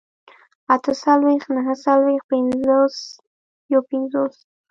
اتهڅلوېښت، نههڅلوېښت، پينځوس، يوپينځوس